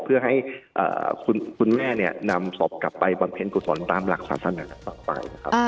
เพื่อให้คุณแม่นำศพกลับไปบังเผ็นกุศลตามหลักศาสนต่อไป